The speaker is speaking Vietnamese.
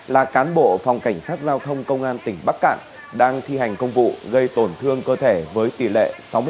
là cán bộ phòng cảnh sát giao thông công an tỉnh bắc cạn đang thi hành công vụ gây tổn thương cơ thể với tỷ lệ sáu mươi bảy